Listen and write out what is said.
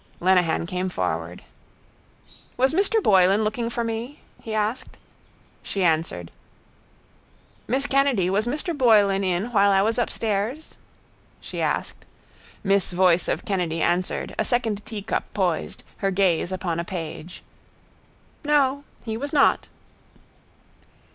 Lenehan came forward. —Was Mr Boylan looking for me? He asked. She answered: —Miss Kennedy, was Mr Boylan in while I was upstairs? She asked. Miss voice of Kennedy answered, a second teacup poised, her gaze upon a page: —No. He was not.